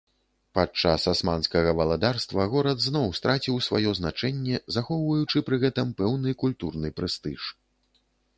Падчас асманскага валадарства, горад зноў страціў сваё значэнне, захоўваючы пры гэтым пэўны культурны прэстыж.